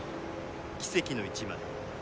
奇跡の一枚。